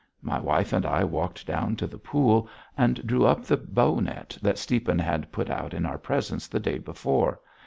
My wife and I walked down to the pool and drew up the bow net that Stiepan had put out in our presence the day before.